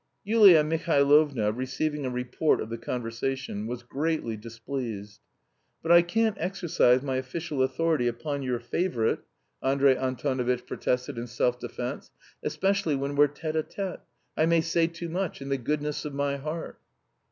Yulia Mihailovna, receiving a report of the conversation, was greatly displeased. "But I can't exercise my official authority upon your favourite," Andrey Antonovitch protested in self defence, "especially when we're tête à tête.... I may say too much... in the goodness of my heart."